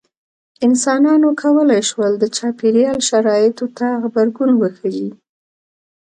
انسانانو کولی شول د چاپېریال شرایطو ته غبرګون وښيي.